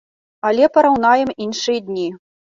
Але параўнаем іншыя дні.